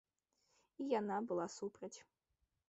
І яна была супраць.